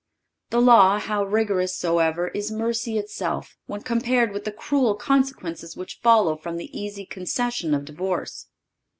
The law, how rigorous soever, is mercy itself, when compared with the cruel consequences which follow from the easy concession of divorce.